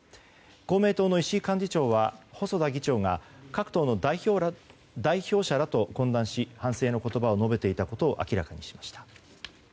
公明党の石井幹事長は細田議長が各党の代表者らと懇談し反省の言葉を述べていたことを明らかにしました。